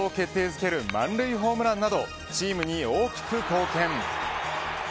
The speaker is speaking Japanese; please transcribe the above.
づける満塁ホームランなどチームに大きく貢献。